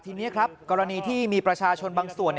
ทีนี้ครับกรณีที่มีประชาชนบางส่วน